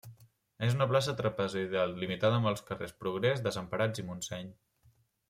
És una plaça trapezoidal limitada amb els carrers Progrés, Desemparats i Montseny.